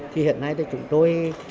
thì hiện nay thì chúng tôi